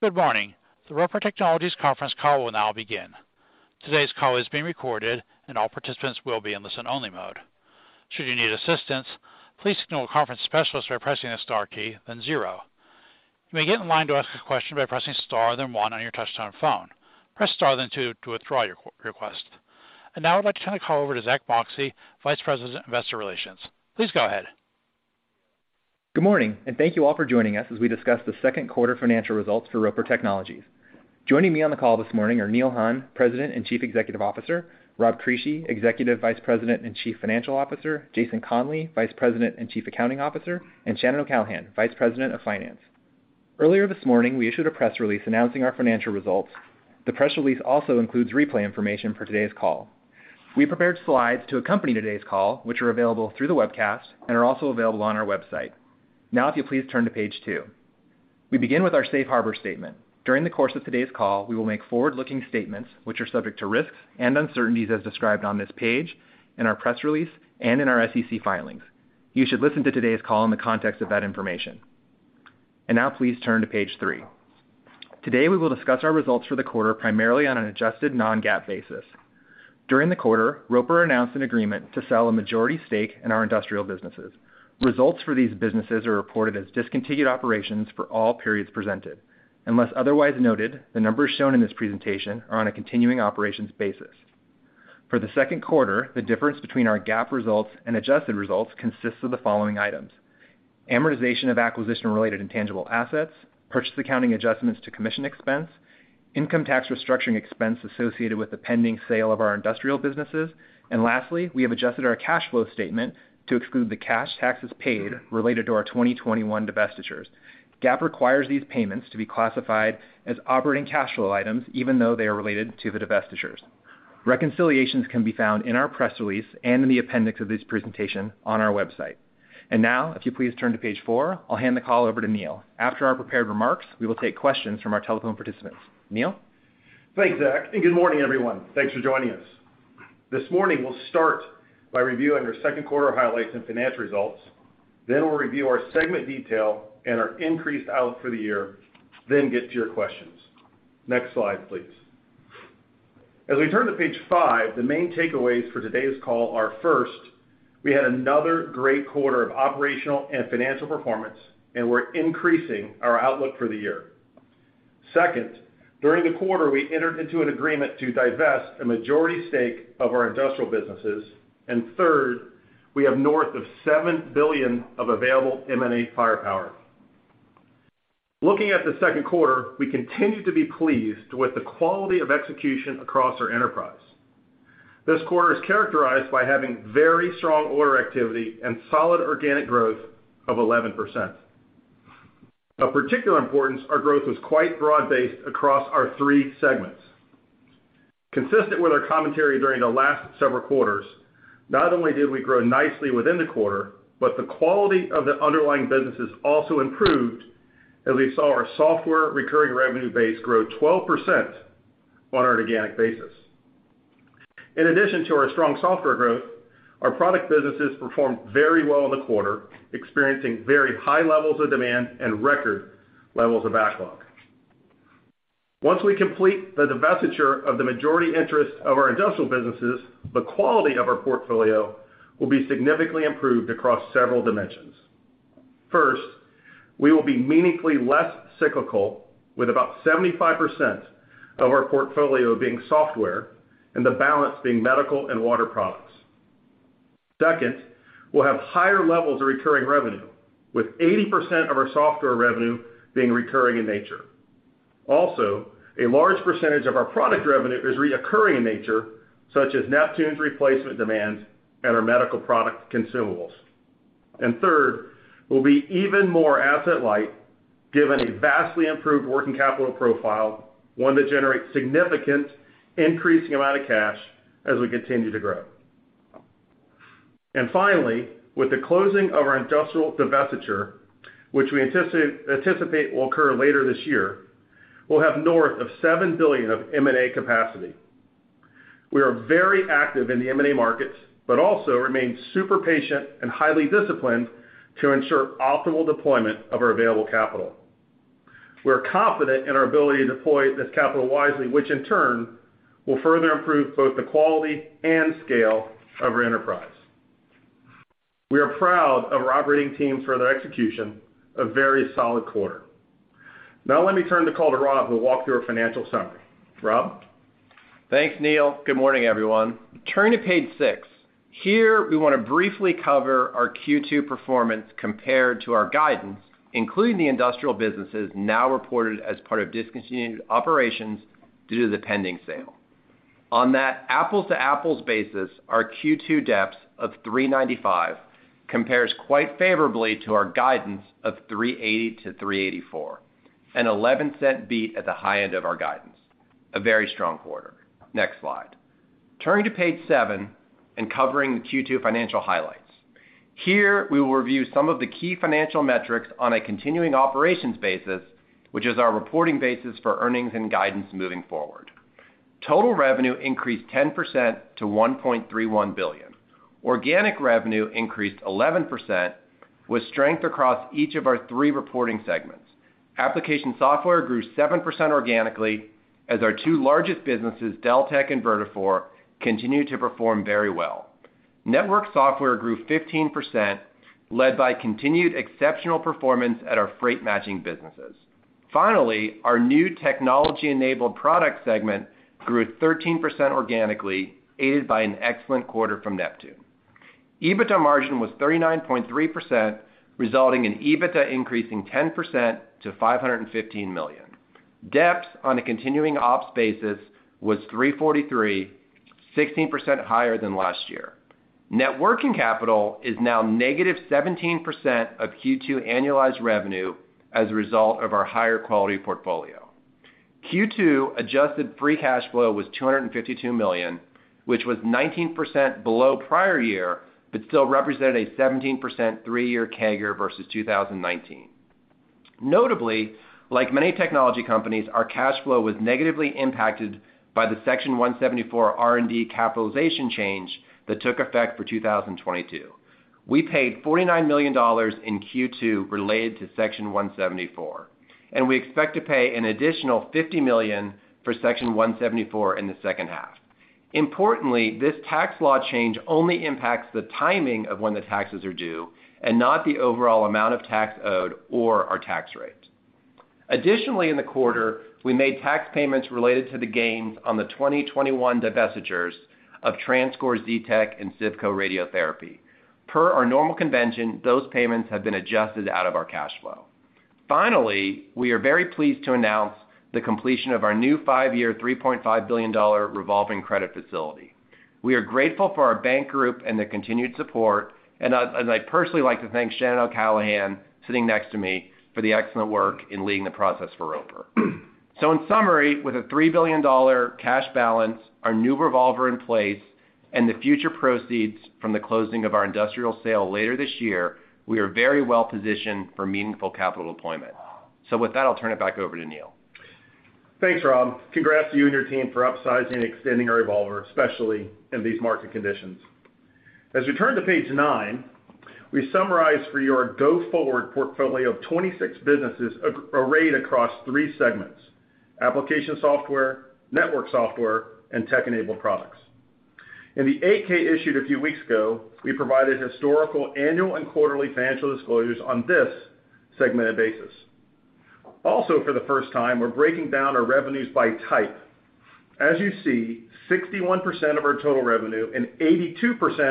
Good morning. The Roper Technologies conference call will now begin. Today's call is being recorded, and all participants will be in listen-only mode. Should you need assistance, please signal a conference specialist by pressing the star key, then zero. You may get in line to ask a question by pressing star, then one on your touchtone phone. Press star then two to withdraw your q-request. Now I'd like to turn the call over to Zack Moxcey, Vice President of Investor Relations. Please go ahead. Good morning, and thank you all for joining us as we discuss the second quarter financial results for Roper Technologies. Joining me on the call this morning are Neil Hunn, president and chief executive officer; Rob Crisci, executive vice president and chief financial officer; Jason Conley, vice president and chief accounting officer; and Shannon O'Callaghan, vice president of finance. Earlier this morning, we issued a press release announcing our financial results. The press release also includes replay information for today's call. We prepared slides to accompany today's call, which are available through the webcast and are also available on our website. Now, if you please turn to page two. We begin with our safe harbor statement. During the course of today's call, we will make forward-looking statements, which are subject to risks and uncertainties as described on this page, in our press release, and in our SEC filings. You should listen to today's call in the context of that information. Now please turn to page 3. Today, we will discuss our results for the quarter primarily on an adjusted non-GAAP basis. During the quarter, Roper announced an agreement to sell a majority stake in our industrial businesses. Results for these businesses are reported as discontinued operations for all periods presented. Unless otherwise noted, the numbers shown in this presentation are on a continuing operations basis. For the second quarter, the difference between our GAAP results and adjusted results consists of the following items. Amortization of acquisition-related intangible assets, purchase accounting adjustments to commission expense, income tax restructuring expense associated with the pending sale of our industrial businesses, and lastly, we have adjusted our cash flow statement to exclude the cash taxes paid related to our 2021 divestitures. GAAP requires these payments to be classified as operating cash flow items, even though they are related to the divestitures. Reconciliations can be found in our press release and in the appendix of this presentation on our website. Now, if you please turn to page four, I'll hand the call over to Neil. After our prepared remarks, we will take questions from our telephone participants. Neil? Thanks, Zack, and good morning, everyone. Thanks for joining us. This morning, we'll start by reviewing our second quarter highlights and financial results, then we'll review our segment detail and our increased outlook for the year, then get to your questions. Next slide, please. As we turn to page 5, the main takeaways for today's call are, first, we had another great quarter of operational and financial performance, and we're increasing our outlook for the year. Second, during the quarter, we entered into an agreement to divest a majority stake of our industrial businesses. Third, we have north of $7 billion of available M&A firepower. Looking at the second quarter, we continue to be pleased with the quality of execution across our enterprise. This quarter is characterized by having very strong order activity and solid organic growth of 11%. Of particular importance, our growth was quite broad-based across our three segments. Consistent with our commentary during the last several quarters, not only did we grow nicely within the quarter, but the quality of the underlying businesses also improved as we saw our software recurring revenue base grow 12% on an organic basis. In addition to our strong software growth, our product businesses performed very well in the quarter, experiencing very high levels of demand and record levels of backlog. Once we complete the divestiture of the majority interest of our industrial businesses, the quality of our portfolio will be significantly improved across several dimensions. First, we will be meaningfully less cyclical with about 75% of our portfolio being software and the balance being medical and water products. Second, we'll have higher levels of recurring revenue, with 80% of our software revenue being recurring in nature. Also, a large percentage of our product revenue is recurring in nature, such as Neptune's replacement demands and our medical product consumables. Third, we'll be even more asset light, given a vastly improved working capital profile, one that generates significant increasing amount of cash as we continue to grow. Finally, with the closing of our industrial divestiture, which we anticipate will occur later this year, we'll have north of $7 billion of M&A capacity. We are very active in the M&A markets, but also remain super patient and highly disciplined to ensure optimal deployment of our available capital. We're confident in our ability to deploy this capital wisely, which in turn will further improve both the quality and scale of our enterprise. We are proud of our operating teams for their execution, a very solid quarter. Now let me turn the call to Rob, who will walk through our financial summary. Rob? Thanks, Neil. Good morning, everyone. Turn to page 6. Here, we want to briefly cover our Q2 performance compared to our guidance, including the industrial businesses now reported as part of discontinued operations due to the pending sale. On that apples-to-apples basis, our Q2 DEPS of $3.95 compares quite favorably to our guidance of $3.80-$3.84, a $0.11 beat at the high end of our guidance. A very strong quarter. Next slide. Turning to page 7 and covering the Q2 financial highlights. Here, we will review some of the key financial metrics on a continuing operations basis, which is our reporting basis for earnings and guidance moving forward. Total revenue increased 10% to $1.31 billion. Organic revenue increased 11% with strength across each of our three reporting segments. Application software grew 7% organically as our two largest businesses, Deltek and Vertafore, continued to perform very well. Network software grew 15% led by continued exceptional performance at our freight matching businesses. Finally, our new technology-enabled product segment grew 13% organically, aided by an excellent quarter from Neptune. EBITDA margin was 39.3%, resulting in EBITDA increasing 10% to $515 million. DEPS on a continuing ops basis was $3.43, 16% higher than last year. Net working capital is now negative 17% of Q2 annualized revenue as a result of our higher quality portfolio. Q2 adjusted free cash flow was $252 million, which was 19% below prior year, but still represented a 17% three-year CAGR versus 2019. Notably, like many technology companies, our cash flow was negatively impacted by the Section 174 R&D capitalization change that took effect for 2022. We paid $49 million in Q2 related to Section 174, and we expect to pay an additional $50 million for Section 174 in the second half. Importantly, this tax law change only impacts the timing of when the taxes are due and not the overall amount of tax owed or our tax rates. Additionally, in the quarter, we made tax payments related to the gains on the 2021 divestitures of TransCore, Zetec, and CIVCO Radiotherapy. Per our normal convention, those payments have been adjusted out of our cash flow. Finally, we are very pleased to announce the completion of our new five-year, $3.5 billion revolving credit facility. We are grateful for our bank group and their continued support, and I'd personally like to thank Shannon O'Callaghan, sitting next to me, for the excellent work in leading the process for Roper. In summary, with a $3 billion cash balance, our new revolver in place, and the future proceeds from the closing of our industrial sale later this year, we are very well positioned for meaningful capital deployment. With that, I'll turn it back over to Neil Hunn. Thanks, Rob. Congrats to you and your team for upsizing and extending our revolver, especially in these market conditions. As we turn to page nine, we summarize for your go-forward portfolio of 26 businesses arrayed across three segments: application software, network software, and tech-enabled products. In the 8-K issued a few weeks ago, we provided historical, annual, and quarterly financial disclosures on this segmented basis. Also, for the first time, we're breaking down our revenues by type. As you see, 61% of our total revenue and 82%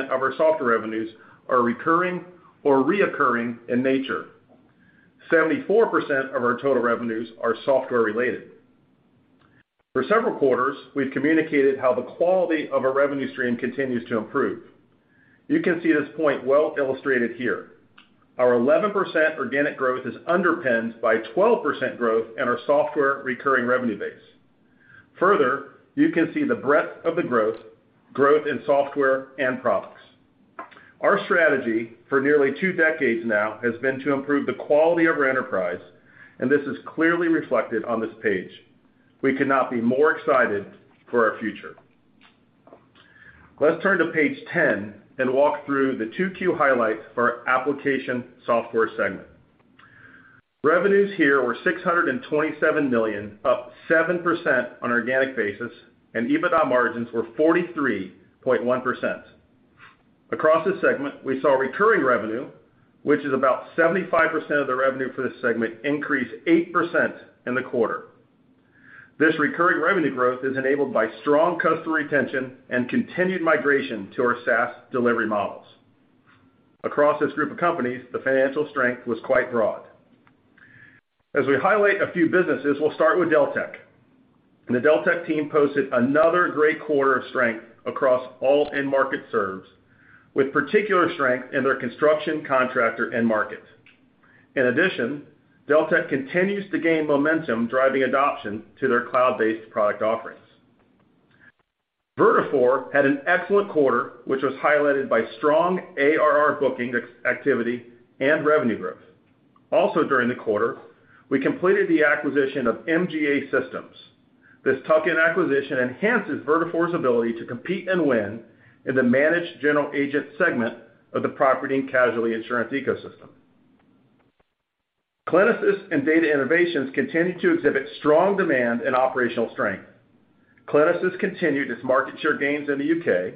of our software revenues are recurring or reoccurring in nature. 74% of our total revenues are software related. For several quarters, we've communicated how the quality of our revenue stream continues to improve. You can see this point well illustrated here. Our 11% organic growth is underpinned by 12% growth in our software recurring revenue base. Further, you can see the breadth of the growth in software and products. Our strategy for nearly two decades now has been to improve the quality of our enterprise, and this is clearly reflected on this page. We could not be more excited for our future. Let's turn to page 10 and walk through the 2Q highlights for our application software segment. Revenues here were $627 million, up 7% on an organic basis, and EBITDA margins were 43.1%. Across this segment, we saw recurring revenue, which is about 75% of the revenue for this segment, increase 8% in the quarter. This recurring revenue growth is enabled by strong customer retention and continued migration to our SaaS delivery models. Across this group of companies, the financial strength was quite broad. As we highlight a few businesses, we'll start with Deltek. The Deltek team posted another great quarter of strength across all end markets served, with particular strength in their construction contractor end market. In addition, Deltek continues to gain momentum driving adoption to their cloud-based product offerings. Vertafore had an excellent quarter, which was highlighted by strong ARR bookings activity and revenue growth. Also during the quarter, we completed the acquisition of MGA Systems. This tuck-in acquisition enhances Vertafore's ability to compete and win in the managed general agent segment of the property and casualty insurance ecosystem. Clinisys and Data Innovations continue to exhibit strong demand and operational strength. Clinisys continued its market share gains in the UK.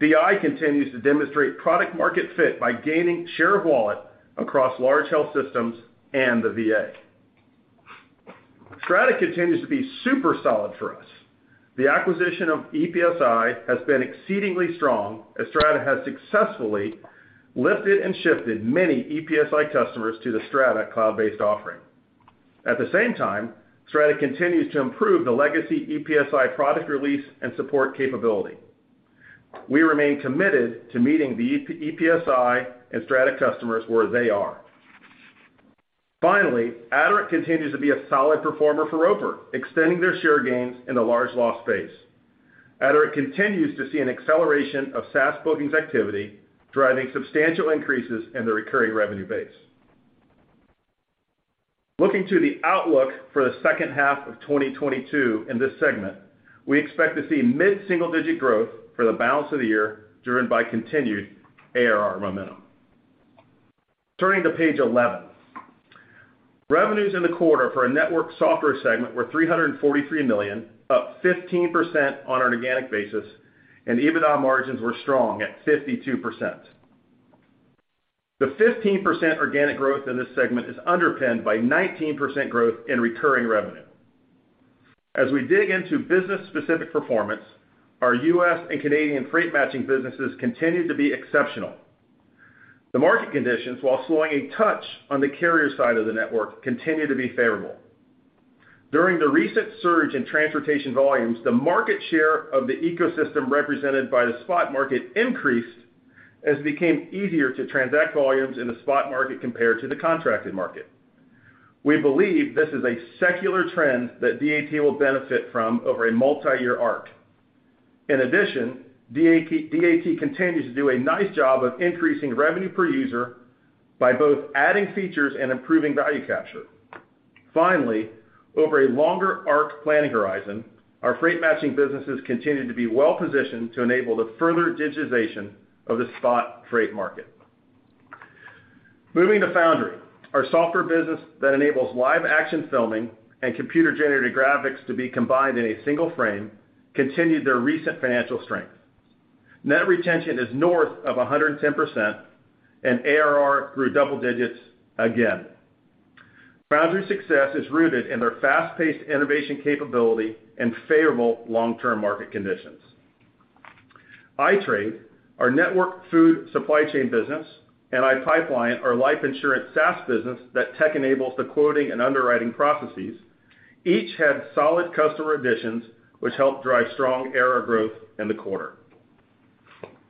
DI continues to demonstrate product market fit by gaining share of wallet across large health systems and the VA. Strata continues to be super solid for us. The acquisition of EPSi has been exceedingly strong as Strata has successfully lifted and shifted many EPSi customers to the Strata cloud-based offering. At the same time, Strata continues to improve the legacy EPSi product release and support capability. We remain committed to meeting the EPSi and Strata customers where they are. Finally, Adoric continues to be a solid performer for Roper, extending their share gains in the large loss space. Adoric continues to see an acceleration of SaaS bookings activity, driving substantial increases in the recurring revenue base. Looking to the outlook for the second half of 2022 in this segment, we expect to see mid-single-digit growth for the balance of the year, driven by continued ARR momentum. Turning to page 11. Revenues in the quarter for our network software segment were $343 million, up 15% on an organic basis, and EBITDA margins were strong at 52%. The 15% organic growth in this segment is underpinned by 19% growth in recurring revenue. As we dig into business-specific performance, our U.S. and Canadian freight matching businesses continued to be exceptional. The market conditions, while slowing a touch on the carrier side of the network, continued to be favorable. During the recent surge in transportation volumes, the market share of the ecosystem represented by the spot market increased as it became easier to transact volumes in the spot market compared to the contracted market. We believe this is a secular trend that DAT will benefit from over a multiyear arc. In addition, DAT continues to do a nice job of increasing revenue per user by both adding features and improving value capture. Finally, over a longer arc planning horizon, our freight matching businesses continued to be well-positioned to enable the further digitization of the spot freight market. Moving to Foundry, our software business that enables live-action filming and computer-generated graphics to be combined in a single frame, continued their recent financial strength. Net retention is north of 110%, and ARR grew double digits again. Foundry's success is rooted in their fast-paced innovation capability and favorable long-term market conditions. iTrade, our network food supply chain business, and iPipeline, our life insurance SaaS business that tech-enables the quoting and underwriting processes, each had solid customer additions, which helped drive strong ARR growth in the quarter.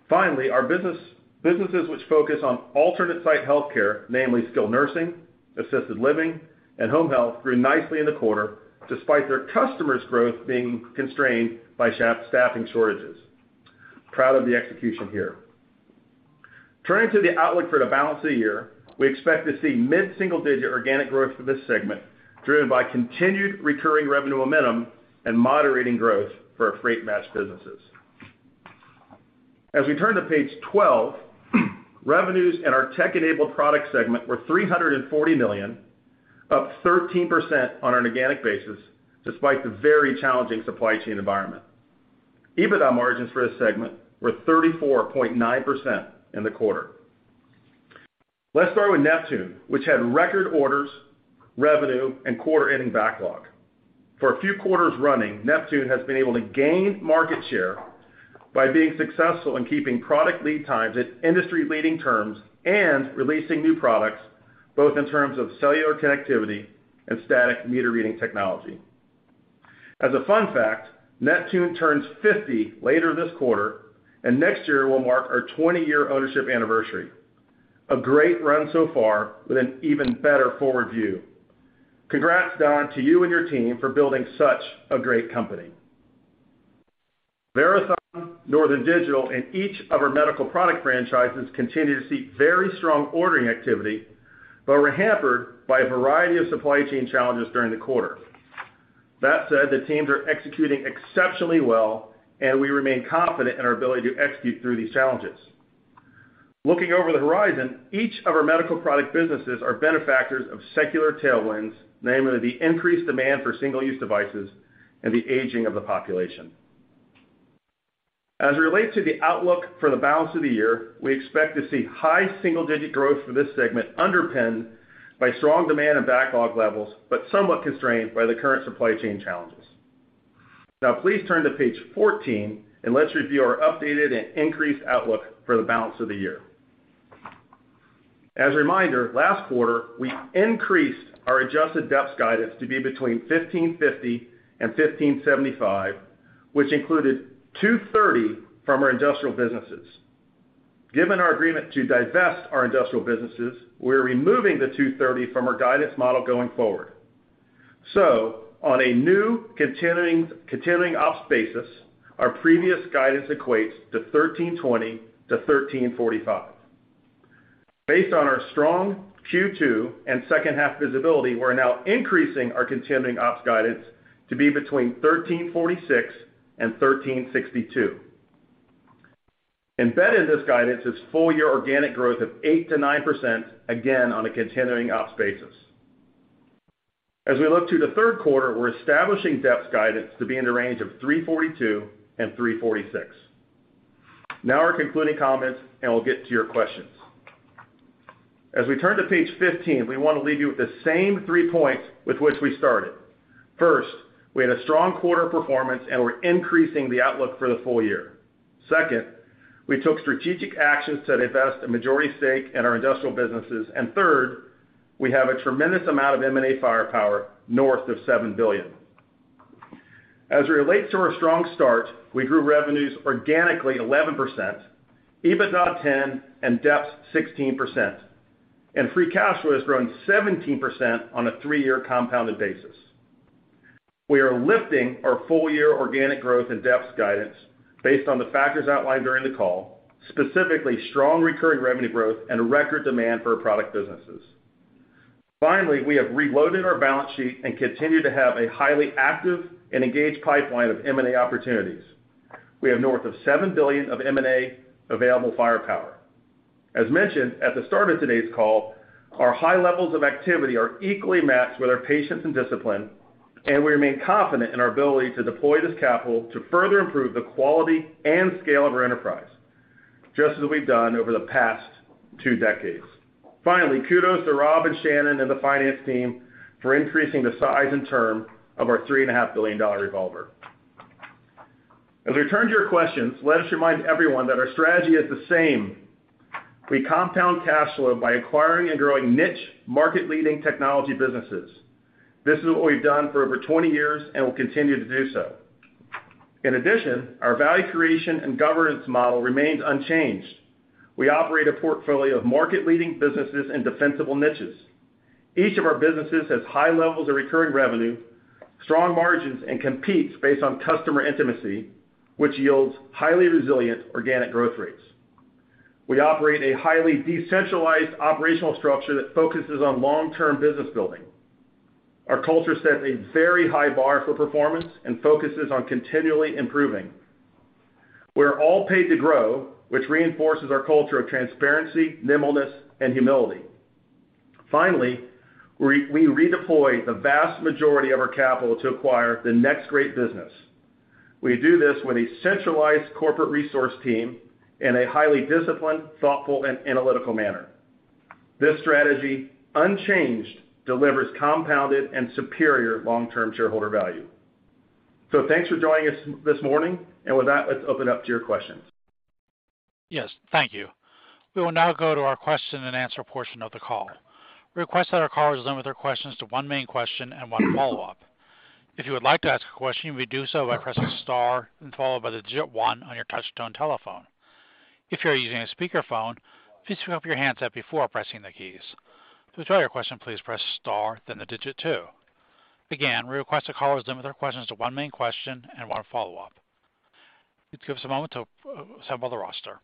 Finally, our businesses which focus on alternate site healthcare, namely skilled nursing, assisted living, and home health, grew nicely in the quarter, despite their customers' growth being constrained by staffing shortages. Proud of the execution here. Turning to the outlook for the balance of the year, we expect to see mid-single-digit organic growth for this segment, driven by continued recurring revenue momentum and moderating growth for our freight matching businesses. As we turn to page 12, revenues in our tech-enabled products segment were $340 million, up 13% on an organic basis, despite the very challenging supply chain environment. EBITDA margins for this segment were 34.9% in the quarter. Let's start with Neptune, which had record orders, revenue, and quarter-ending backlog. For a few quarters running, Neptune has been able to gain market share by being successful in keeping product lead times at industry-leading terms and releasing new products, both in terms of cellular connectivity and static meter reading technology. As a fun fact, Neptune turns 50 later this quarter, and next year will mark our 20-year ownership anniversary. A great run so far with an even better forward view. Congrats, Don, to you and your team for building such a great company. Verathon, Northern Digital, and each of our medical product franchises continued to see very strong ordering activity but were hampered by a variety of supply chain challenges during the quarter. That said, the teams are executing exceptionally well, and we remain confident in our ability to execute through these challenges. Looking over the horizon, each of our medical product businesses are beneficiaries of secular tailwinds, namely the increased demand for single-use devices and the aging of the population. As it relates to the outlook for the balance of the year, we expect to see high single-digit growth for this segment underpinned by strong demand and backlog levels, but somewhat constrained by the current supply chain challenges. Now please turn to page 14, and let's review our updated and increased outlook for the balance of the year. As a reminder, last quarter, we increased our adjusted DEPS guidance to be between $15.50 and $15.75, which included $2.30 from our industrial businesses. Given our agreement to divest our industrial businesses, we're removing the $2.30 from our guidance model going forward. On a new continuing ops basis, our previous guidance equates to $13.20-$13.45. Based on our strong Q2 and second half visibility, we're now increasing our continuing ops guidance to be between $13.46 and $13.62. Embedded in this guidance is full year organic growth of 8%-9%, again on a continuing ops basis. As we look to the third quarter, we're establishing DEPS guidance to be in the range of $3.42 and $3.46. Now our concluding comments, and we'll get to your questions. As we turn to page 15, we want to leave you with the same three points with which we started. First, we had a strong quarter performance, and we're increasing the outlook for the full year. Second, we took strategic actions to divest a majority stake in our industrial businesses. Third, we have a tremendous amount of M&A firepower, north of $7 billion. As we relate to our strong start, we grew revenues organically 11%, EBITDA 10%, and DEPS 16%. Free cash flow has grown 17% on a 3-year compounded basis. We are lifting our full year organic growth and DEPS guidance based on the factors outlined during the call, specifically strong recurring revenue growth and a record demand for our product businesses. Finally, we have reloaded our balance sheet and continue to have a highly active and engaged pipeline of M&A opportunities. We have north of $7 billion of M&A available firepower. As mentioned at the start of today's call, our high levels of activity are equally matched with our patience and discipline, and we remain confident in our ability to deploy this capital to further improve the quality and scale of our enterprise, just as we've done over the past two decades. Finally, kudos to Rob and Shannon and the finance team for increasing the size and term of our $3.5 billion revolver. As we turn to your questions, let us remind everyone that our strategy is the same. We compound cash flow by acquiring and growing niche market-leading technology businesses. This is what we've done for over 20 years and will continue to do so. In addition, our value creation and governance model remains unchanged. We operate a portfolio of market-leading businesses in defensible niches. Each of our businesses has high levels of recurring revenue, strong margins, and competes based on customer intimacy, which yields highly resilient organic growth rates. We operate a highly decentralized operational structure that focuses on long-term business building. Our culture sets a very high bar for performance and focuses on continually improving. We're all paid to grow, which reinforces our culture of transparency, nimbleness, and humility. Finally, we redeploy the vast majority of our capital to acquire the next great business. We do this with a centralized corporate resource team in a highly disciplined, thoughtful, and analytical manner. This strategy, unchanged, delivers compounded and superior long-term shareholder value. Thanks for joining us this morning, and with that, let's open up to your questions. Yes, thank you. We will now go to our question-and-answer portion of the call. We request that our callers limit their questions to one main question and one follow-up. If you would like to ask a question, you may do so by pressing star and followed by the digit one on your touchtone telephone. If you're using a speakerphone, please pick up your handset before pressing the keys. To withdraw your question, please press star, then the digit two. Again, we request that callers limit their questions to one main question and one follow-up. Give us a moment to assemble the roster.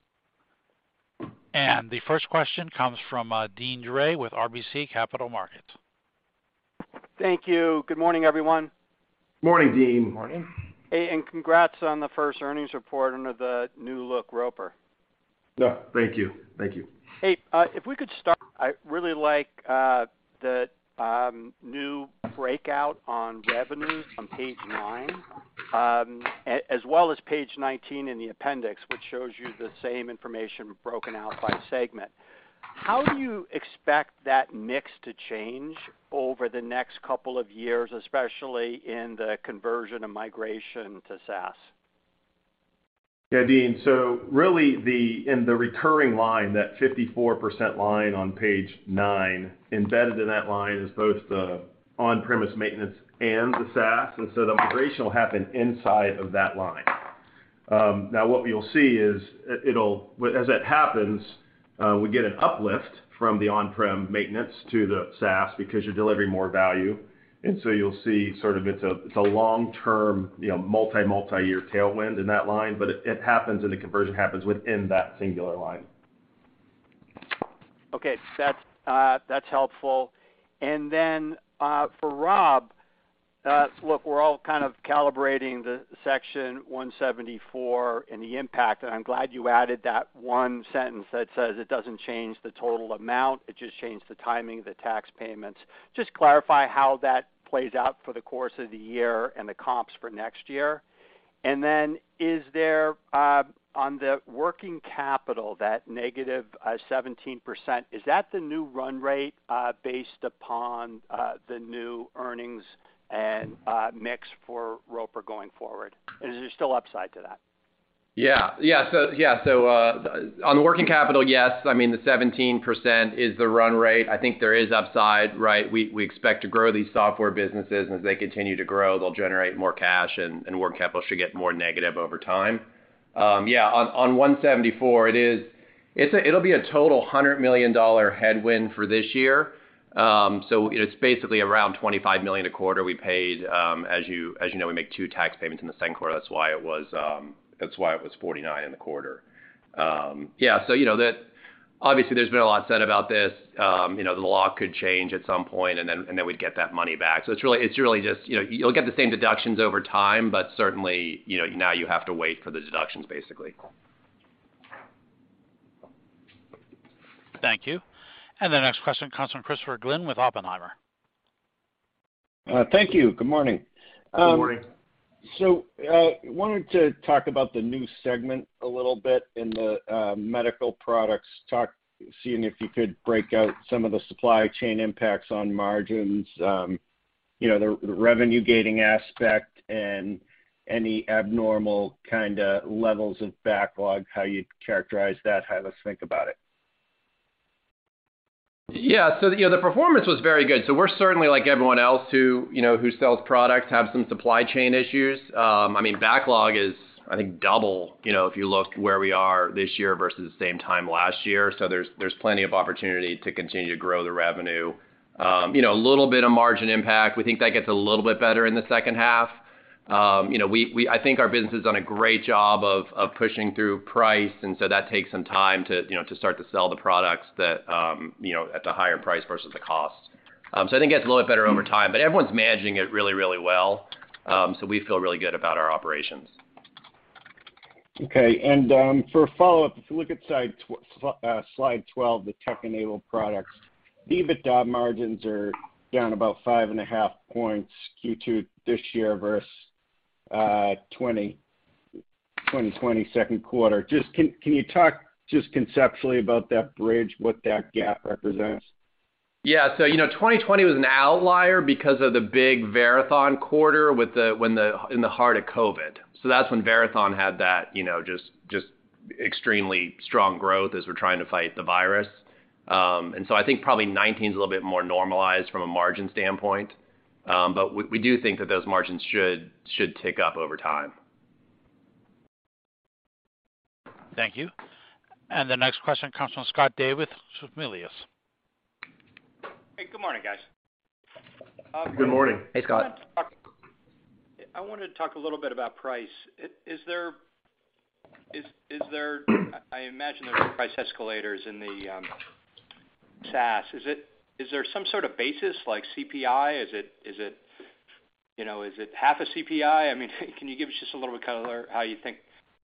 The first question comes from Deane Dray with RBC Capital Markets. Thank you. Good morning, everyone. Morning, Deane. Morning. Hey, congrats on the first earnings report under the new look Roper. Yeah, thank you. Thank you. I really like the new breakout on revenue on page 9 as well as page 19 in the appendix, which shows you the same information broken out by segment. How do you expect that mix to change over the next couple of years, especially in the conversion and migration to SaaS? Yeah, Deane. Really, in the recurring line, that 54% line on page 9, embedded in that line is both the on-premise maintenance and the SaaS, and the migration will happen inside of that line. Now what you'll see is, as that happens, we get an uplift from the on-prem maintenance to the SaaS because you're delivering more value, and you'll see sort of it's a long-term, you know, multi-year tailwind in that line, but it happens and the conversion happens within that singular line. Okay. That's helpful. Then, for Rob, look, we're all kind of calibrating the Section 174 and the impact, and I'm glad you added that one sentence that says it doesn't change the total amount, it just changed the timing of the tax payments. Just clarify how that plays out for the course of the year and the comps for next year. Then is there, on the working capital, that negative 17%, is that the new run rate, based upon, the new earnings and, mix for Roper going forward? And is there still upside to that? Yeah. So, on working capital, yes, I mean, the 17% is the run rate. I think there is upside, right? We expect to grow these software businesses. As they continue to grow, they'll generate more cash and working capital should get more negative over time. Yeah. On Section 174, it is. It's. It'll be a total $100 million headwind for this year. So it's basically around $25 million a quarter we paid. As you know, we make two tax payments in the second quarter. That's why it was $49 million in the quarter. Yeah. So you know, obviously, there's been a lot said about this. You know, the law could change at some point, and then we'd get that money back. It's really just, you know, you'll get the same deductions over time, but certainly, you know, now you have to wait for the deductions, basically. Thank you. The next question comes from Christopher Glynn with Oppenheimer. Thank you. Good morning. Good morning. Wanted to talk about the new segment a little bit in the medical products talk, seeing if you could break out some of the supply chain impacts on margins, you know, the revenue gaining aspect and any abnormal kinda levels of backlog, how you'd characterize that, how you think about it. Yeah. You know, the performance was very good. We're certainly like everyone else who, you know, who sells products, have some supply chain issues. I mean, backlog is, I think, double, you know, if you look where we are this year versus the same time last year. There's plenty of opportunity to continue to grow the revenue. You know, a little bit of margin impact. We think that gets a little bit better in the second half. You know, I think our business has done a great job of pushing through price, and so that takes some time to, you know, to start to sell the products that, you know, at the higher price versus the cost. I think it gets a little bit better over time, but everyone's managing it really, really well. We feel really good about our operations. For a follow-up, if you look at slide twelve, the tech-enabled products, EBITDA margins are down about 5.5 points Q2 this year versus 2022 second quarter. Just can you talk just conceptually about that bridge, what that gap represents? Yeah. So, you know, 2020 was an outlier because of the big Verathon quarter in the heart of COVID. That's when Verathon had that, you know, just extremely strong growth as we're trying to fight the virus. I think probably 2019 is a little bit more normalized from a margin standpoint. We do think that those margins should tick up over time. Thank you. The next question comes from Scott Davis with Melius Research. Hey, good morning, guys. Good morning. Hey, Scott. I wanted to talk a little bit about price. Is there? I imagine there's price escalators in the SaaS. Is there some sort of basis like CPI? Is it, you know, is it half a CPI? I mean, can you give us just a little bit color how you think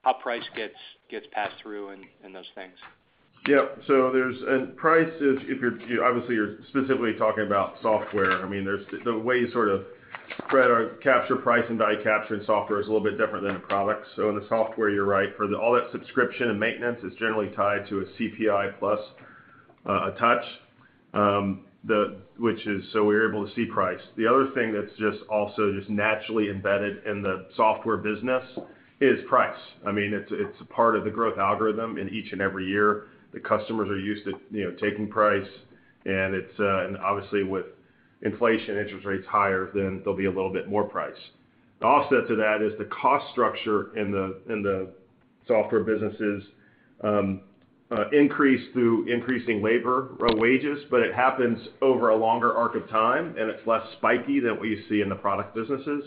how price gets passed through and those things? Price is, obviously, you're specifically talking about software. I mean, there's the way you sort of capture price and value capture in software is a little bit different than a product. In the software, you're right. For all that subscription and maintenance, it's generally tied to a CPI plus, a touch, which is so we're able to see price. The other thing that's just also just naturally embedded in the software business is price. I mean, it's a part of the growth algorithm in each and every year. The customers are used to, you know, taking price, and it's, and obviously with inflation, interest rates higher, then there'll be a little bit more price. The offset to that is the cost structure in the software businesses increase through increasing labor or wages, but it happens over a longer arc of time, and it's less spiky than what you see in the product businesses.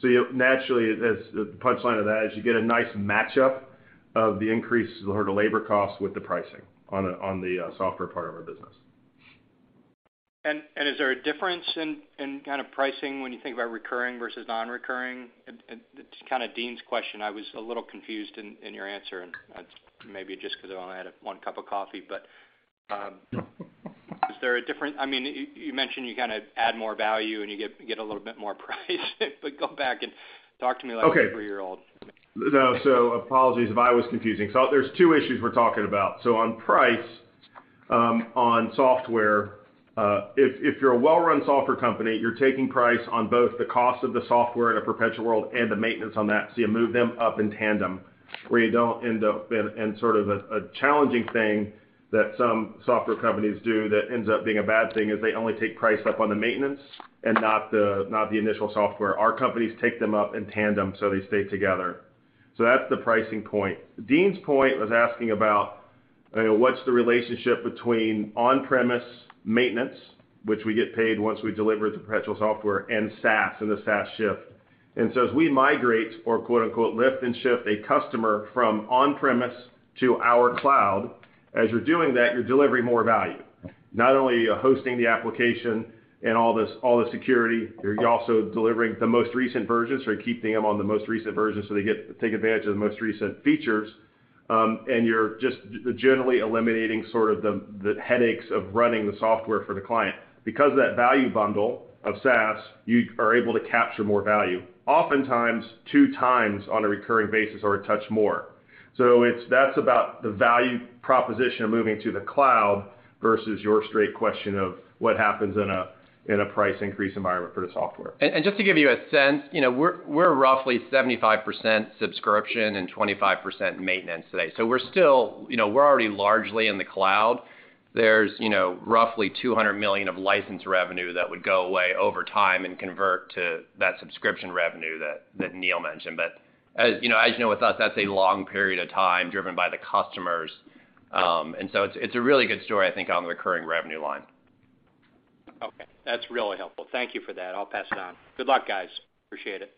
You naturally, as the punchline of that, is you get a nice match up of the increase of the labor cost with the pricing on the software part of our business. Is there a difference in kind of pricing when you think about recurring versus non-recurring? It's kind of Deane's question. I was a little confused in your answer, and maybe just 'cause I've only had one cup of coffee. Is there a difference? I mean, you mentioned you kinda add more value and you get a little bit more price. Go back and talk to me like a three-year-old. Okay. No. Apologies if I was confusing. There's two issues we're talking about. On price, on software, if you're a well-run software company, you're taking price on both the cost of the software in a perpetual world and the maintenance on that. You move them up in tandem where you don't end up in sort of a challenging thing that some software companies do that ends up being a bad thing, is they only take price up on the maintenance and not the initial software. Our companies take them up in tandem, so they stay together. That's the pricing point. Deane's point was asking about, you know, what's the relationship between on-premise maintenance, which we get paid once we deliver the perpetual software, and SaaS and the SaaS shift. As we migrate or quote-unquote, "lift and shift" a customer from on-premise to our cloud, as you're doing that, you're delivering more value. Not only are you hosting the application and all this, all the security, you're also delivering the most recent versions or keeping them on the most recent version, so they get to take advantage of the most recent features. You're just generally eliminating sort of the headaches of running the software for the client. Because of that value bundle of SaaS, you are able to capture more value, oftentimes two times on a recurring basis or a touch more. It's that about the value proposition of moving to the cloud versus your straight question of what happens in a price increase environment for the software. Just to give you a sense, you know, we're roughly 75% subscription and 25% maintenance today. We're still, you know, we're already largely in the cloud. There's, you know, roughly $200 million of license revenue that would go away over time and convert to that subscription revenue that Neil mentioned. As you know, with us, that's a long period of time driven by the customers. It's a really good story, I think, on the recurring revenue line. Okay. That's really helpful. Thank you for that. I'll pass it on. Good luck, guys. Appreciate it.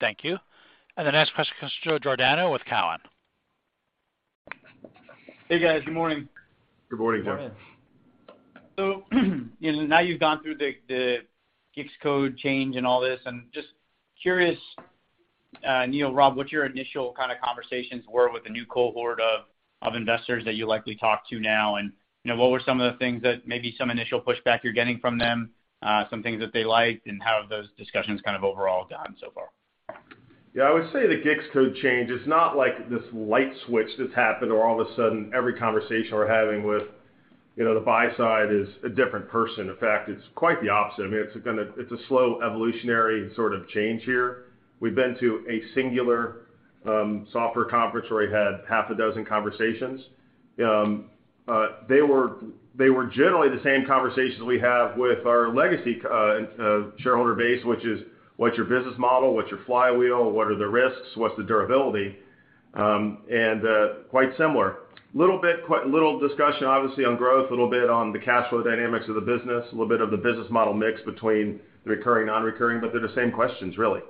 Thank you. The next question comes to Joe Giordano with Cowen. Hey, guys. Good morning. Good morning, Joe. Good morning. Now you've gone through the GICS code change and all this, I'm just curious, Neil, Rob, what your initial kinda conversations were with the new cohort of investors that you likely talk to now, and, you know, what were some of the things that maybe some initial pushback you're getting from them, some things that they liked, and how have those discussions kind of overall gone so far? Yeah. I would say the GICS code change is not like this light switch just happened, or all of a sudden every conversation we're having with, you know, the buy side is a different person. In fact, it's quite the opposite. I mean, it's a slow evolutionary sort of change here. We've been to a singular software conference where we had half a dozen conversations. They were generally the same conversations we have with our legacy shareholder base, which is what's your business model, what's your flywheel, what are the risks, what's the durability? Quite similar. Little bit, quite a little discussion, obviously, on growth, a little bit on the cash flow dynamics of the business, a little bit of the business model mix between the recurring/non-recurring, but they're the same questions really.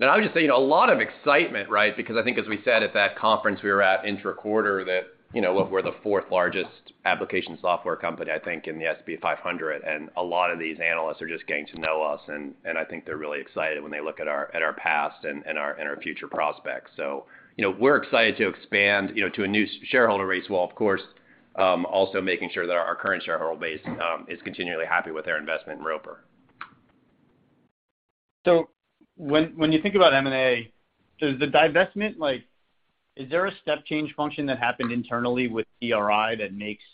I would just say, you know, a lot of excitement, right? Because I think as we said at that conference we were at intra-quarter that, you know, look, we're the fourth-largest application software company, I think, in the S&P 500, and a lot of these analysts are just getting to know us, and I think they're really excited when they look at our past and our future prospects. You know, we're excited to expand, you know, to a new shareholder base, while of course also making sure that our current shareholder base is continually happy with their investment in Roper. When you think about M&A, does the divestment, like, is there a step change function that happened internally with CRI that makes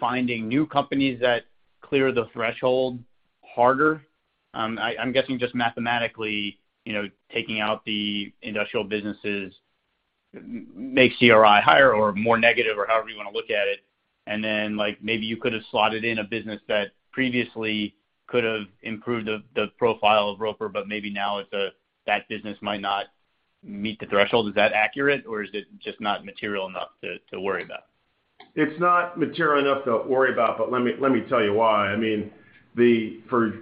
finding new companies that clear the threshold harder? I'm guessing just mathematically, you know, taking out the industrial businesses makes CRI higher or more negative or however you wanna look at it, and then, like, maybe you could have slotted in a business that previously could have improved the profile of Roper, but maybe now it's that business might not meet the threshold. Is that accurate, or is it just not material enough to worry about? It's not material enough to worry about, but let me tell you why. I mean, for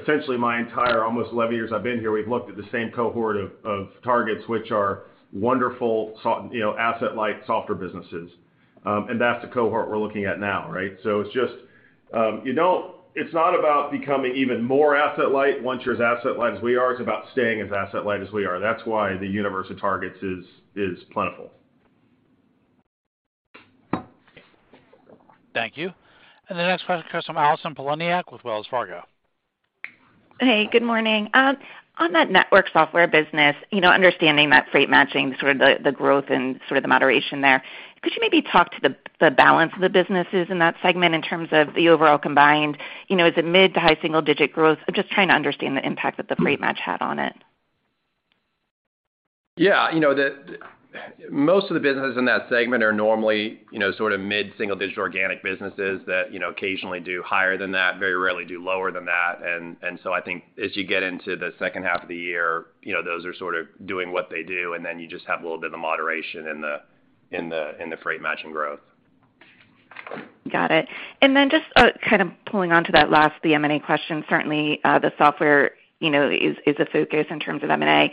essentially my entire almost 11 years I've been here, we've looked at the same cohort of targets, which are wonderful, you know, asset light software businesses. That's the cohort we're looking at now, right? It's just, it's not about becoming even more asset light. Once you're as asset light as we are, it's about staying as asset light as we are. That's why the universe of targets is plentiful. Thank you. The next question comes from Allison Poliniak with Wells Fargo. Hey, good morning. On that network software business, you know, understanding that freight matching sort of the growth and sort of the moderation there, could you maybe talk to the balance of the businesses in that segment in terms of the overall combined? You know, is it mid to high single digit growth? I'm just trying to understand the impact that the freight match had on it. Yeah. You know, the most of the businesses in that segment are normally, you know, sort of mid-single digit organic businesses that, you know, occasionally do higher than that, very rarely do lower than that. I think as you get into the second half of the year, you know, those are sort of doing what they do, and then you just have a little bit of moderation in the freight matching growth. Got it. Just kind of pulling onto that last, the M&A question, certainly, the software, you know, is a focus in terms of M&A.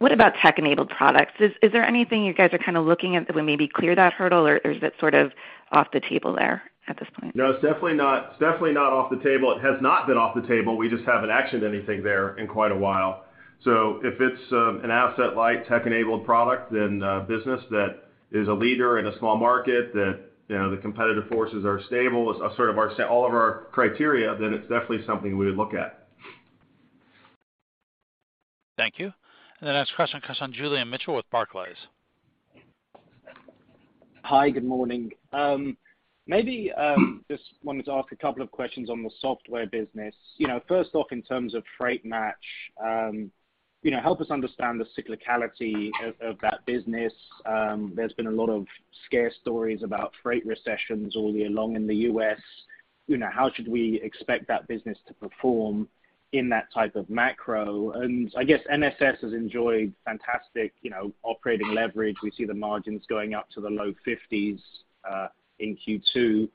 What about tech-enabled products? Is there anything you guys are kinda looking at that would maybe clear that hurdle, or is it sort of off the table there at this point? No, it's definitely not. It's definitely not off the table. It has not been off the table. We just haven't actioned anything there in quite a while. If it's an asset like tech-enabled product, then a business that is a leader in a small market that, you know, the competitive forces are stable is a sort of all of our criteria, then it's definitely something we would look at. Thank you. The next question comes from Julian Mitchell with Barclays. Hi, good morning. Maybe just wanted to ask a couple of questions on the software business. You know, first off, in terms of FreightMatch, you know, help us understand the cyclicality of that business. There's been a lot of scare stories about freight recessions all year long in the U.S. You know, how should we expect that business to perform in that type of macro? I guess NSS has enjoyed fantastic, you know, operating leverage. We see the margins going up to the low 50s% in Q2.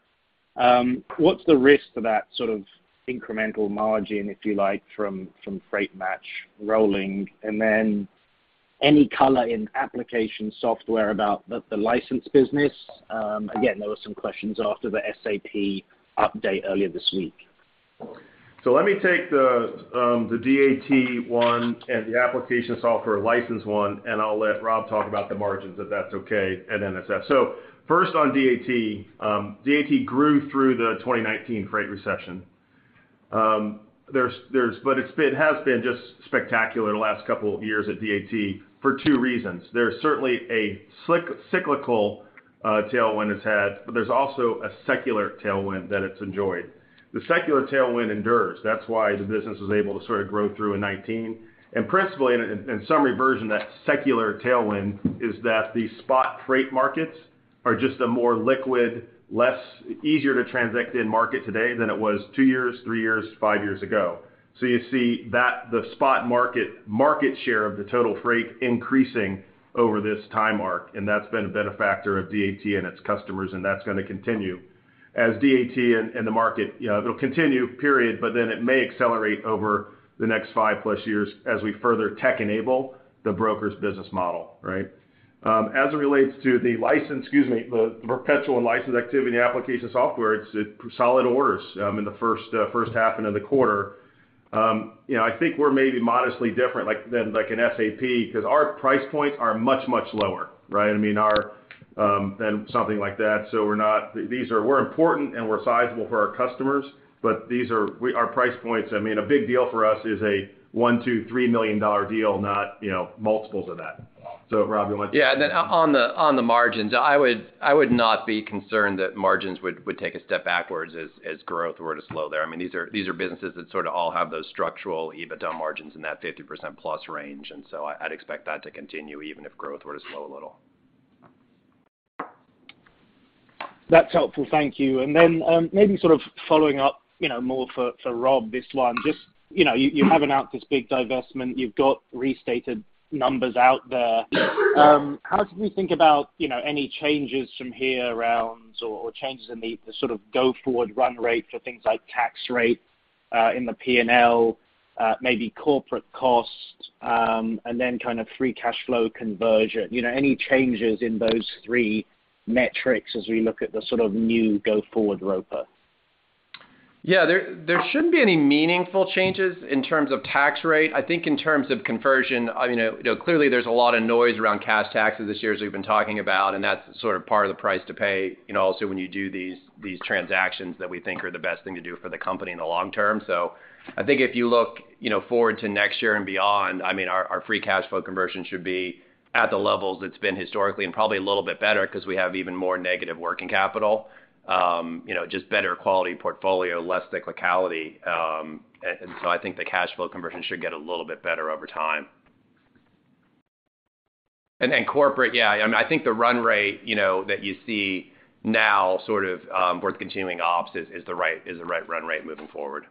What's the risk to that sort of incremental margin, if you like, from FreightMatch rolling? Any color in application software about the license business? Again, there were some questions after the SAP update earlier this week. Let me take the DAT one and the application software license one, and I'll let Rob talk about the margins, if that's okay, at NSS. First on DAT. DAT grew through the 2019 freight recession. But it's been just spectacular the last couple of years at DAT for two reasons. There's certainly a cyclical tailwind it's had, but there's also a secular tailwind that it's enjoyed. The secular tailwind endures. That's why the business was able to sort of grow through in 2019. Principally, in summary version, that secular tailwind is that the spot freight markets are just a more liquid, easier to transact in market today than it was two years, three years, five years ago. You see that the spot market market share of the total freight increasing over this time mark, and that's been a benefit for DAT and its customers, and that's gonna continue. DAT and the market, they'll continue, period, but then it may accelerate over the next 5+ years as we further tech enable the broker's business model, right? As it relates to the perpetual and license activity and application software, it's solid orders in the first half into the quarter. I think we're maybe modestly different than an SAP because our price points are much, much lower, right? I mean, our than something like that. We're important, and we're sizable for our customers, but our price points, I mean, a big deal for us is a $1, $2, $3 million deal, not, you know, multiples of that. Rob, you want to- Yeah. Then on the margins, I would not be concerned that margins would take a step backwards as growth were to slow there. I mean, these are businesses that sort of all have those structural EBITDA margins in that 50% plus range. I'd expect that to continue even if growth were to slow a little. That's helpful. Thank you. Maybe sort of following up, you know, more for Rob, this one. Just, you know, you have announced this big divestment. You've got restated numbers out there. How should we think about, you know, any changes from here around or changes in the sort of go forward run rate for things like tax rate in the P&L, maybe corporate costs, and then kind of free cash flow conversion? You know, any changes in those three metrics as we look at the sort of new go forward Roper? Yeah. There shouldn't be any meaningful changes in terms of tax rate. I think in terms of conversion, I mean, you know, clearly there's a lot of noise around cash taxes this year, as we've been talking about, and that's sort of part of the price to pay, you know, also when you do these transactions that we think are the best thing to do for the company in the long term. So I think if you look, you know, forward to next year and beyond, I mean, our free cash flow conversion should be at the levels it's been historically and probably a little bit better 'cause we have even more negative working capital. You know, just better quality portfolio, less cyclicality. I think the cash flow conversion should get a little bit better over time. Corporate, yeah, I mean, I think the run rate, you know, that you see now sort of for the continuing ops is the right run rate moving forward.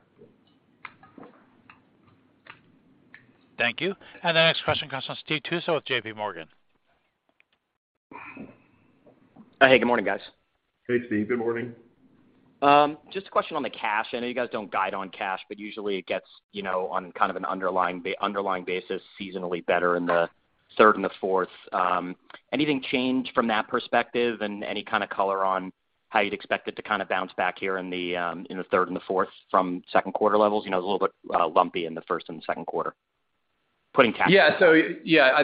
Thank you. The next question comes from Steve Tusa with J.P. Morgan. Hey, good morning, guys. Hey, Steve. Good morning. Just a question on the cash. I know you guys don't guide on cash, but usually it gets, you know, on kind of an underlying basis seasonally better in the third and the fourth. Anything change from that perspective? Any kind of color on how you'd expect it to kind of bounce back here in the third and the fourth from second quarter levels? You know, it was a little bit lumpy in the first and second quarter, putting cash- Yeah.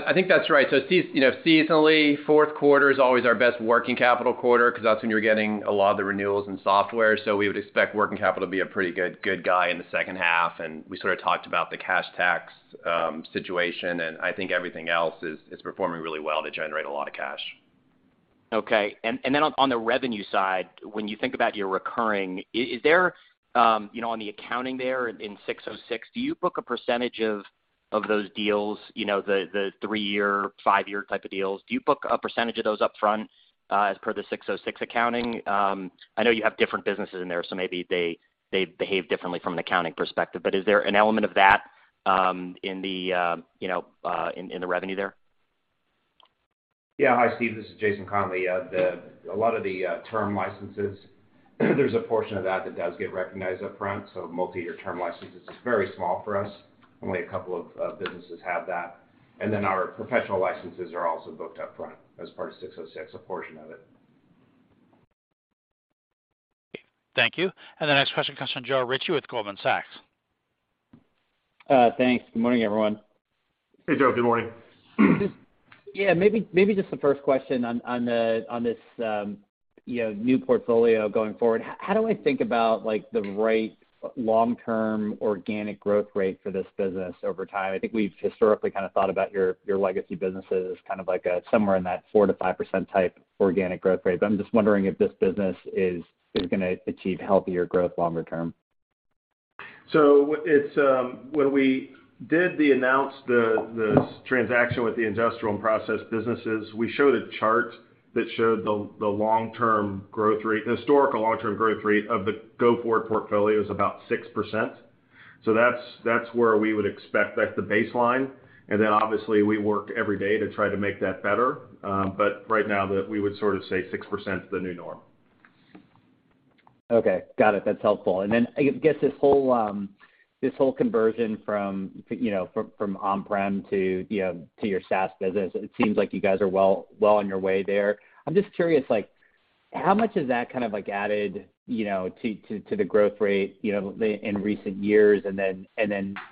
I think that's right. You know, seasonally, fourth quarter is always our best working capital quarter 'cause that's when you're getting a lot of the renewals and software. We would expect working capital to be a pretty good guy in the second half, and we sort of talked about the cash tax situation, and I think everything else is performing really well to generate a lot of cash. Okay. On the revenue side, when you think about your recurring, is there, you know, on the accounting there in ASC 606, do you book a percentage of those deals, you know, the three-year, five-year type of deals? Do you book a percentage of those upfront, as per the ASC 606 accounting? I know you have different businesses in there, so maybe they behave differently from an accounting perspective, but is there an element of that, you know, in the revenue there? Yeah. Hi, Steve. This is Jason Conley. A lot of the term licenses, there's a portion of that that does get recognized upfront, so multi-year term licenses. It's very small for us. Only a couple of businesses have that. Our professional licenses are also booked up front as part of ASC 606, a portion of it. Thank you. The next question comes from Joe Ritchie with Goldman Sachs. Thanks. Good morning, everyone. Hey, Joe. Good morning. Maybe just the first question on this new portfolio going forward. How do I think about, like, the right long-term organic growth rate for this business over time? I think we've historically kinda thought about your legacy businesses kind of like somewhere in that 4%-5% type organic growth rate. I'm just wondering if this business is gonna achieve healthier growth longer term. When we announced the transaction with the industrial and process businesses, we showed a chart that showed the long-term growth rate. The historical long-term growth rate of the go-forward portfolio is about 6%. That's where we would expect. That's the baseline. Obviously, we work every day to try to make that better. But right now we would sort of say 6%'s the new norm. Okay. Got it. That's helpful. I guess this whole conversion from, you know, from on-prem to, you know, to your SaaS business. It seems like you guys are well on your way there. I'm just curious, like, how much is that kind of, like, added, you know, to the growth rate, you know, in recent years and then,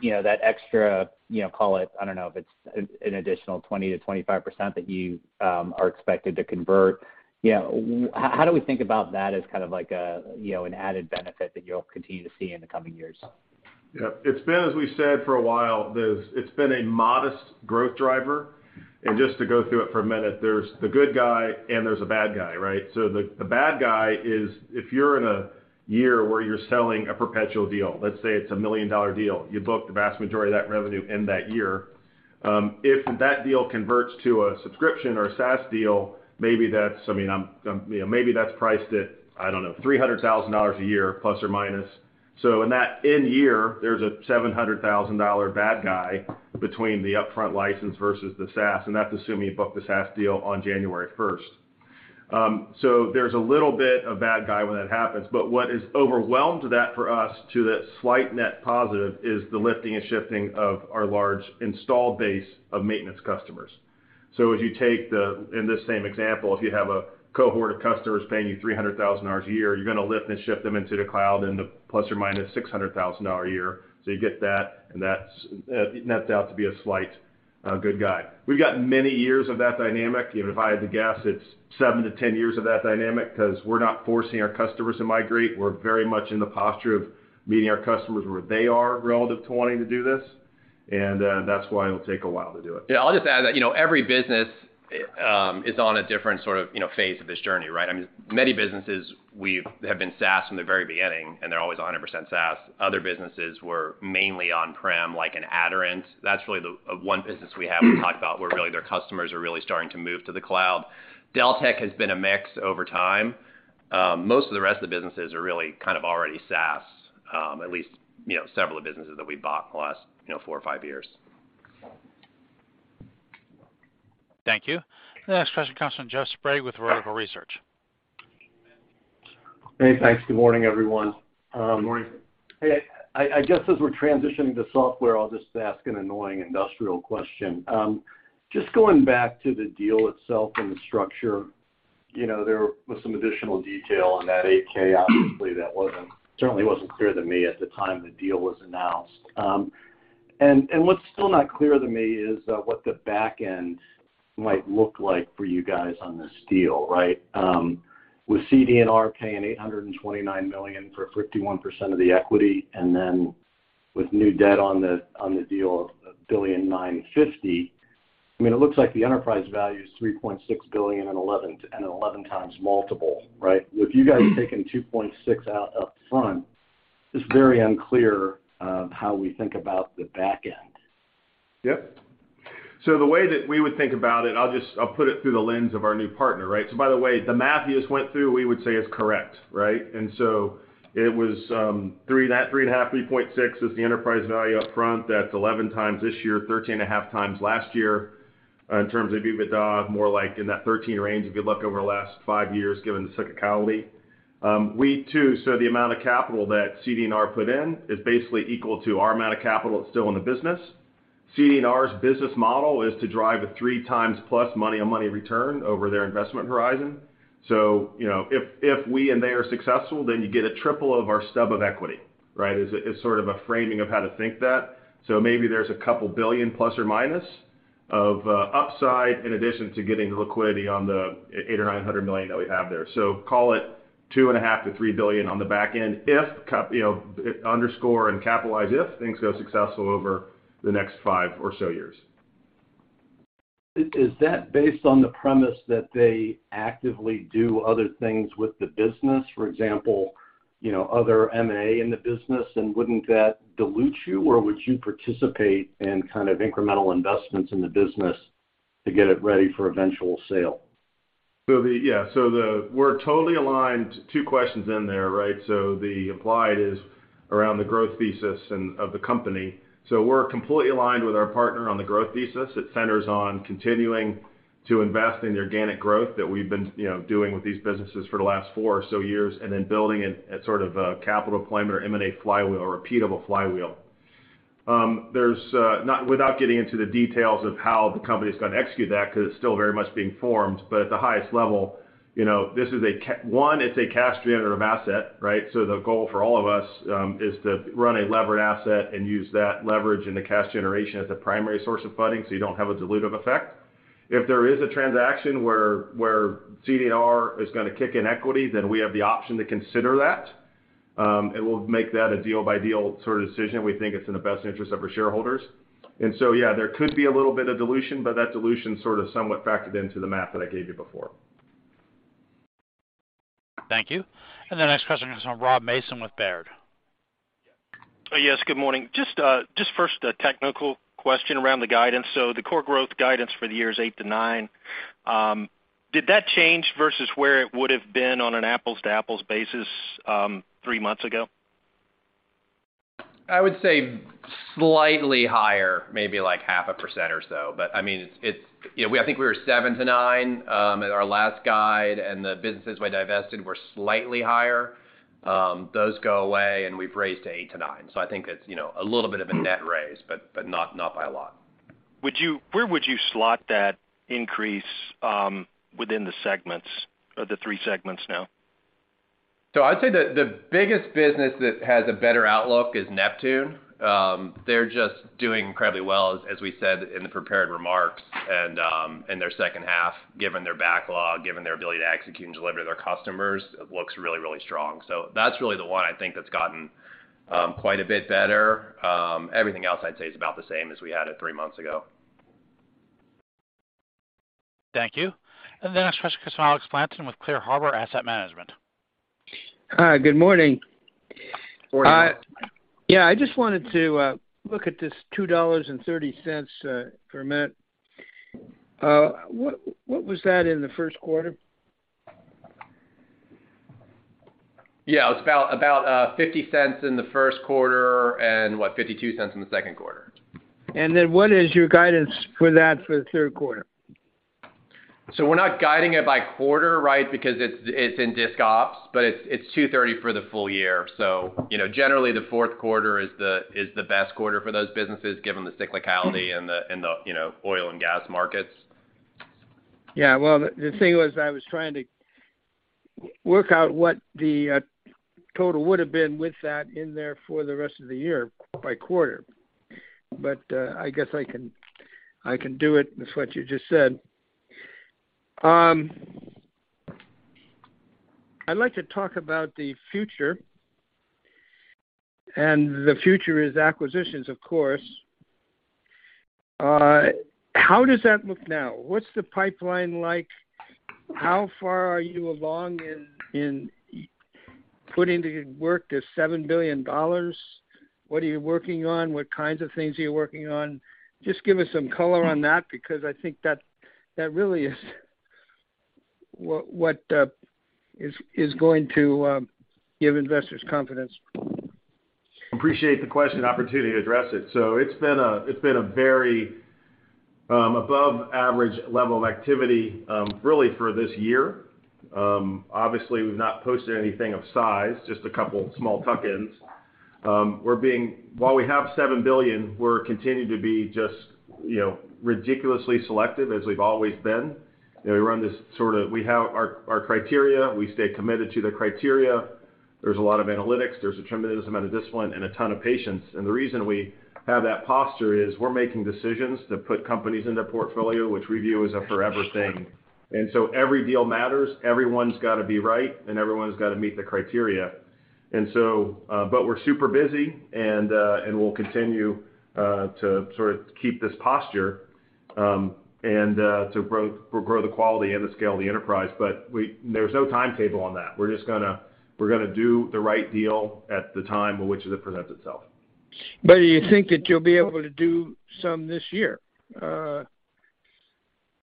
you know, that extra, you know, call it, I don't know, if it's an additional 20%-25% that you are expected to convert. You know, how do we think about that as kind of like a, you know, an added benefit that you'll continue to see in the coming years? Yeah. It's been, as we said for a while, a modest growth driver. Just to go through it for a minute, there's the good guy, and there's a bad guy, right? The bad guy is if you're in a year where you're selling a perpetual deal, let's say it's a $1 million deal, you book the vast majority of that revenue in that year. If that deal converts to a subscription or a SaaS deal, maybe that's, I mean, you know, maybe that's priced at, I don't know, $300,000 a year plus or minus. In that end year, there's a $700,000 bad guy between the upfront license versus the SaaS, and that's assuming you book the SaaS deal on January first. There's a little bit of bad guy when that happens. What has overwhelmed that for us to that slight net positive is the lifting and shifting of our large installed base of maintenance customers. If you take that, in this same example, if you have a cohort of customers paying you $300,000 a year, you're gonna lift and shift them into the cloud, and they're ±$600,000 a year. You get that, and that's it nets out to be a slight positive. We've got many years of that dynamic. You know, if I had to guess, it's 7-10 years of that dynamic 'cause we're not forcing our customers to migrate. We're very much in the posture of meeting our customers where they are relative to wanting to do this, and that's why it'll take a while to do it. Yeah. I'll just add that, you know, every business is on a different sort of, you know, phase of this journey, right? I mean, many businesses We have been SaaS from the very beginning, and they're always 100% SaaS. Other businesses were mainly on-prem, like Aderant. That's really the one business we talked about where really their customers are really starting to move to the cloud. Deltek has been a mix over time. Most of the rest of the businesses are really kind of already SaaS, at least, you know, several of the businesses that we bought in the last, you know, four or five years. Thank you. The next question comes from Jeff Sprague with Vertical Research. Hey, thanks. Good morning, everyone. Good morning. I guess, as we're transitioning to software, I'll just ask an annoying industrial question. Just going back to the deal itself and the structure, you know, there was some additional detail on that 8-K, obviously, that certainly wasn't clear to me at the time the deal was announced. And what's still not clear to me is what the back end might look like for you guys on this deal, right? With CD&R paying $829 million for 51% of the equity and then with new debt on the deal of $1.95 billion. I mean, it looks like the enterprise value is $3.6 billion and 11x multiple, right? With you guys taking $2.6 billion up front, it's very unclear on how we think about the back end. Yep. The way that we would think about it, I'll put it through the lens of our new partner, right? By the way, the math you just went through, we would say is correct, right? It was 3.5, 3.6 is the enterprise value up front. That's 11x this year, 13.5x last year. In terms of EBITDA, more like in that 13 range, if you look over the last five years, given the cyclicality. We too. The amount of capital that CD&R put in is basically equal to our amount of capital that's still in the business. CD&R's business model is to drive a 3x plus money on money return over their investment horizon. You know, if we and they are successful, then you get a triple of our stub of equity, right? As sort of a framing of how to think that. Maybe there's a couple billion ± of upside in addition to getting liquidity on the $800 million or $900 million that we have there. Call it $2.5-$3 billion on the back end, underscore and capitalize if things go successful over the next 5 or so years. Is that based on the premise that they actively do other things with the business? For example, you know, other M&A in the business, and wouldn't that dilute you? Or would you participate in kind of incremental investments in the business to get it ready for eventual sale? We're totally aligned. Two questions in there, right? The implied is around the growth thesis of the company. We're completely aligned with our partner on the growth thesis. It centers on continuing to invest in the organic growth that we've been, you know, doing with these businesses for the last four or so years, and then building in sort of a capital deployment or M&A flywheel or repeatable flywheel. Without getting into the details of how the company's gonna execute that 'cause it's still very much being formed, but at the highest level, you know, this is one, it's a cash-generative asset, right? The goal for all of us is to run a levered asset and use that leverage in the cash generation as a primary source of funding, so you don't have a dilutive effect. If there is a transaction where CD&R is gonna kick in equity, then we have the option to consider that. We'll make that a deal by deal sort of decision if we think it's in the best interest of our shareholders. Yeah, there could be a little bit of dilution, but that dilution sort of somewhat factored into the math that I gave you before. Thank you. The next question is from Robert Mason with Baird. Yes, good morning. Just first, a technical question around the guidance. The core growth guidance for the years 8-9, did that change versus where it would have been on an apples-to-apples basis, three months ago? I would say slightly higher, maybe like 0.5% or so. I mean, it's. You know, I think we were 7%-9% at our last guide, and the businesses we divested were slightly higher. Those go away, and we've raised to 8%-9%. I think it's, you know, a little bit of a net raise, but not by a lot. Where would you slot that increase within the segments or the three segments now? I'd say the biggest business that has a better outlook is Neptune. They're just doing incredibly well, as we said in the prepared remarks. In their second half, given their backlog, given their ability to execute and deliver to their customers, it looks really, really strong. That's really the one I think that's gotten quite a bit better. Everything else I'd say is about the same as we had it three months ago. Thank you. The next question comes from Alexander Blanton with Clear Harbor Asset Management. Hi, good morning. Good morning. Yeah, I just wanted to look at this $2.30 for a minute. What was that in the first quarter? Yeah. It was about $0.50 in the first quarter and $0.52 in the second quarter. What is your guidance for that for the third quarter? We're not guiding it by quarter, right? Because it's in discontinued operations, but it's $230 for the full year. You know, generally the fourth quarter is the best quarter for those businesses, given the cyclicality and the oil and gas markets. Yeah. Well, the thing was I was trying to work out what the total would've been with that in there for the rest of the year by quarter. I guess I can do it with what you just said. I'd like to talk about the future. And future is acquisitions, of course. How does that look now? What's the pipeline like? How far are you along in putting to work the $7 billion? What are you working on? What kinds of things are you working on? Just give us some color on that, because I think that really is what is going to give investors confidence. Appreciate the question, opportunity to address it. It's been a very above average level of activity really for this year. Obviously we've not posted anything of size, just a couple small tuck-ins. While we have $7 billion, we're continuing to be just, you know, ridiculously selective as we've always been. You know, we have our criteria. We stay committed to the criteria. There's a lot of analytics, there's a tremendous amount of discipline and a ton of patience. The reason we have that posture is we're making decisions to put companies in the portfolio which we view as a forever thing. Every deal matters. Everyone's gotta be right, and everyone's gotta meet the criteria. We're super busy and we'll continue to sort of keep this posture and to grow the quality and the scale of the enterprise. There's no timetable on that. We're just gonna do the right deal at the time which it presents itself. Do you think that you'll be able to do some this year?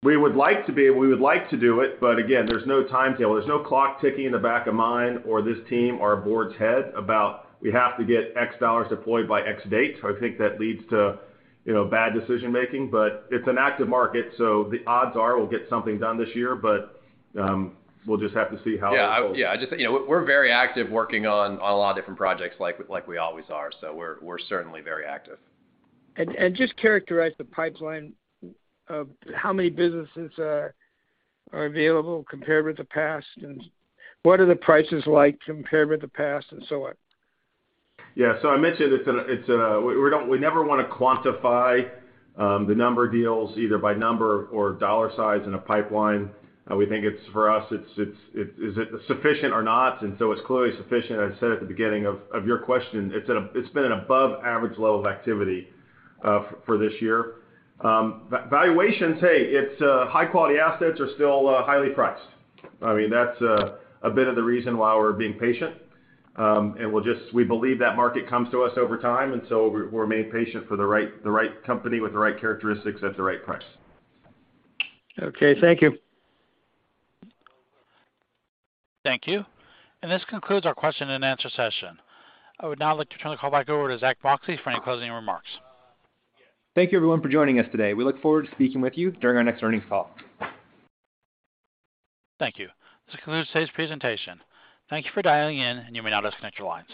We would like to do it, but again, there's no timetable. There's no clock ticking in the back of mine or this team or our board's head about we have to get X dollars deployed by X date. So I think that leads to, you know, bad decision making. It's an active market, so the odds are we'll get something done this year. We'll just have to see how it goes. Yeah, I just think, you know, we're very active working on a lot of different projects like we always are. We're certainly very active. Just characterize the pipeline. How many businesses are available compared with the past? What are the prices like compared with the past and so on? Yeah. I mentioned it's a. We don't want to quantify the number of deals either by number or dollar size in a pipeline. We think it's, for us it's sufficient or not. It's clearly sufficient. I said at the beginning of your question, it's been an above average level of activity for this year. Valuations, hey, it's high quality assets are still highly priced. I mean, that's a bit of the reason why we're being patient. We believe that market comes to us over time, and we're remaining patient for the right company with the right characteristics at the right price. Okay. Thank you. Thank you. This concludes our question and answer session. I would now like to turn the call back over to Zack Moxcey for any closing remarks. Thank you everyone for joining us today. We look forward to speaking with you during our next earnings call. Thank you. This concludes today's presentation. Thank you for dialing in, and you may now disconnect your lines.